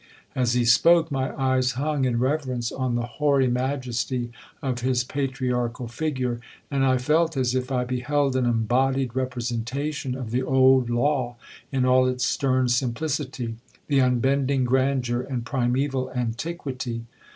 (As he spoke, my eyes hung in reverence on the hoary majesty of his patriarchal figure, and I felt as if I beheld an embodied representation of the old law in all its stern simplicity—the unbending grandeur, and primeval antiquity.)